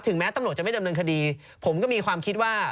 แม้ตำรวจจะไม่ดำเนินคดีผมก็มีความคิดว่า